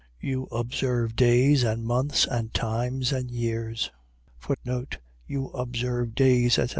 4:10. You observe days and months and times, and years. You observe days, etc.